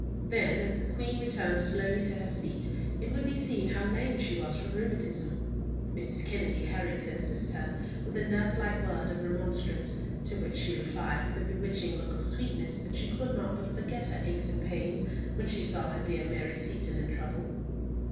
Then as the Queen returned slowly to her seat it would be seen how lame she was from rheumatism. Mrs. Kennedy hurried to assist her, with a nurse like word of remonstrance, to which she replied with a bewitching look of sweetness that she could not but forget her aches and pains when she saw her dear Mary Seaton in trouble.